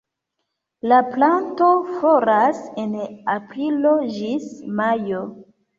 La planto floras en aprilo ĝis majo.